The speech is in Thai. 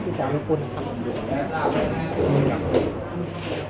ที่ยังบังกันกดิบัติหน้าที่